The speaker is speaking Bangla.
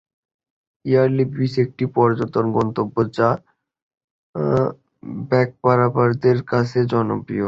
এয়ারলি বিচ একটি পর্যটন গন্তব্য, যা ব্যাকপ্যাকারদের কাছে জনপ্রিয়।